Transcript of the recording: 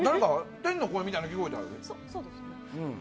天の声みたいなのが聞こえたけど。